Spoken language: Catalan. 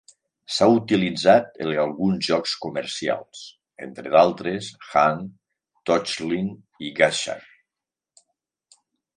S'ha utilitzat en alguns joc comercials, entre d'altres, "Ankh", "Torchlight" i "Garshasp".